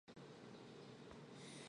穆萨克。